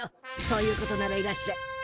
そういうことならいらっしゃい。